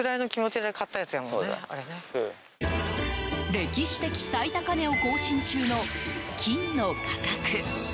歴史的最高値を更新中の金の価格。